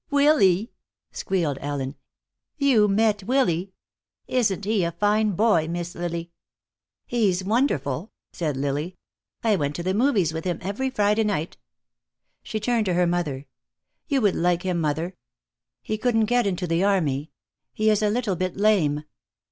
"Willy!" squealed Ellen. "You met Willy? Isn't he a fine boy, Miss Lily?" "He's wonderful," said Lily. "I went to the movies with him every Friday night." She turned to her mother. "You would like him, mother. He couldn't get into the army. He is a little bit lame.